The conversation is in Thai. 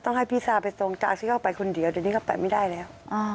ก็ต้องให้พี่ซาไปส่งจากที่เขาไปคนเดียวเดีอะนี้เขาไปไม่ได้แล้ว